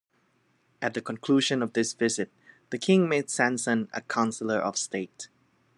At the conclusion of this visit the king made Sanson a councillor of state.